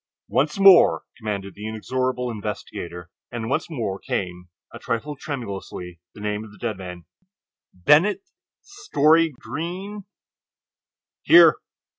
"Once more," commanded the inexorable investigator, and once more came—a trifle tremulously—the name of the dead man: "Bennett Story Greene." "Here!"